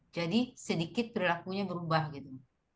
jadi sedikit berlakunya berubah gitu